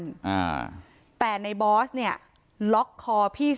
ต่างฝั่งในบอสคนขีดบิ๊กไบท์